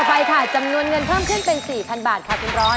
ไฟค่ะจำนวนเงินเพิ่มขึ้นเป็น๔๐๐บาทค่ะคุณร้อย